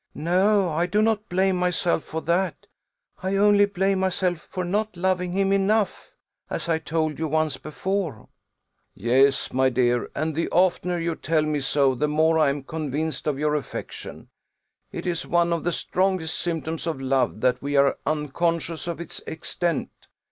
"No, I do not blame myself for that. I only blame myself for not loving him enough, as I told you once before." "Yes, my dear; and the oftener you tell me so, the more I am convinced of your affection. It is one of the strongest symptoms of love, that we are unconscious of its extent.